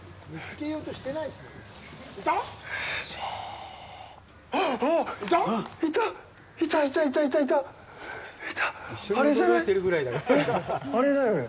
えっ、あれだよね？